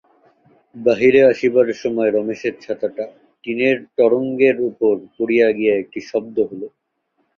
বাহিরে আসিবার সময় রমেশের ছাতাটা টিনের তোরঙ্গের উপর পড়িয়া গিয়া একটা শব্দ হইল।